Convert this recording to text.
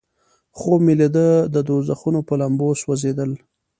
خوب مې لیده د دوزخونو په لمبو سوځیدل.